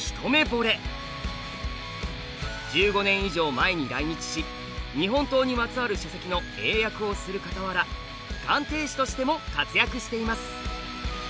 １５年以上前に来日し日本刀にまつわる書籍の英訳をするかたわら鑑定士としても活躍しています。